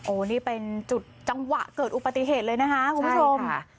อันนี้เป็นจุดจังหวะเกิดอุปติเหตุเลยนะคะคุณผู้ชม